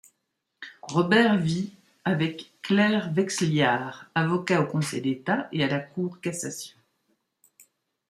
Robert vit avec Claire Vexliard, avocat au Conseil d'Etat et à la Cour cassation.